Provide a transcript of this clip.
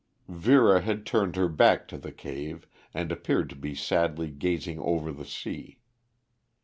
Vera had turned her back to the cave, and appeared to be sadly gazing over the sea.